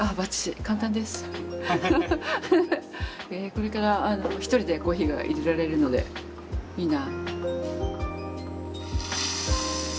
これから一人でコーヒーがいれられるのでいいな。